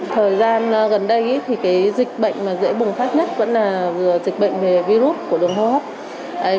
thời gian gần đây thì dịch bệnh dễ bùng phát nhất vẫn là vừa dịch bệnh về virus của đường hô hấp